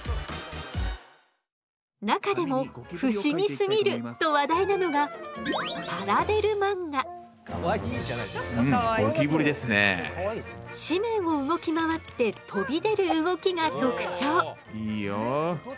中でも「不思議すぎる！」と話題なのが紙面を動き回って飛び出る動きが特徴。